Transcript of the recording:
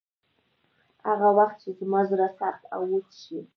هغه وخت چې زما زړه سخت او وچ شي.